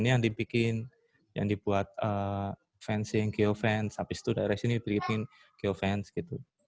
ini yang dibuat geofence habis itu daerah sini beli geofence